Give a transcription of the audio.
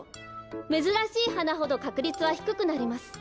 めずらしいはなほどかくりつはひくくなります。